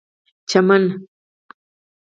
چمن